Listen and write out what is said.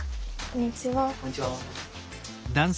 こんにちは。